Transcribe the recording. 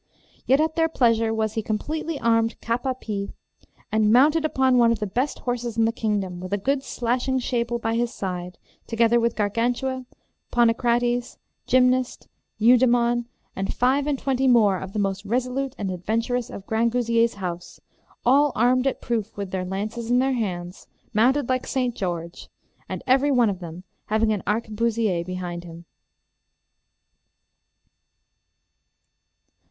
Yet at their pleasure was he completely armed cap a pie, and mounted upon one of the best horses in the kingdom, with a good slashing shable by his side, together with Gargantua, Ponocrates, Gymnast, Eudemon, and five and twenty more of the most resolute and adventurous of Grangousier's house, all armed at proof with their lances in their hands, mounted like St. George, and everyone of them having an arquebusier behind him.